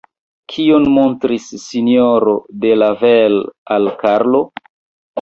Kion montris S-ro de Lavel al Karlo?